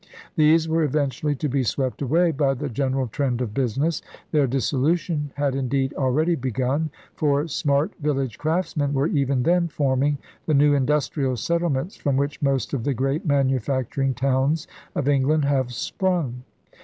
These were eventually to be swept away by the general trend of business. Their dissolution had indeed already begun; for smart village craftsmen were even then forming the new industrial settlements from which most of the great manufacturing towns of England have sprung.